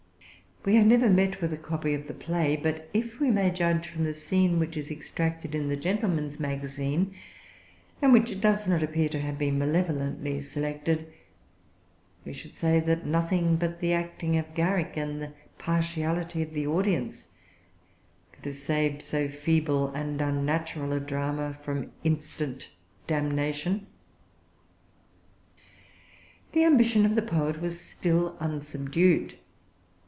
We have never met with a copy of[Pg 344] the play; but, if we may judge from the scene which is extracted in the Gentleman's Magazine, and which does not appear to have been malevolently selected, we should say that nothing but the acting of Garrick, and the partiality of the audience, could have saved so feeble and unnatural a drama from instant damnation. The ambition of the poet was still unsubdued.